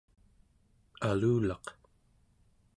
alulaq